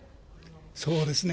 そうですね。